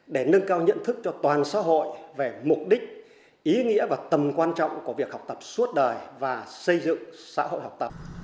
để nâng cao nhận thức cho toàn xã hội về mục đích ý nghĩa và tầm quan trọng của việc học tập suốt đời và xây dựng xã hội học tập